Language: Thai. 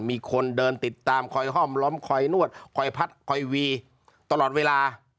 มีคนเดินติดตามคอยห้อมล้อมคอยนวดคอยพัดคอยวีตลอดเวลา